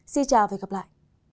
xin chào và hẹn gặp lại